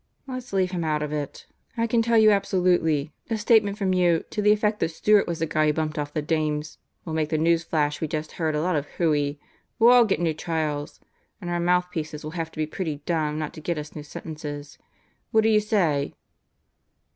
"Let's leave him out of it. I can tell you absolutely, a statement from you to the effect that Stewart was the guy who bumped off the dames will make the news flash we just heard a lot of hooey. We'll all get new trials. And our mouthpieces will have to be pretty dumb not to get us new sentences. What do you say?"